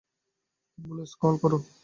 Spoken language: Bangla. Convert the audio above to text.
অ্যাম্বুলেন্স কল করো!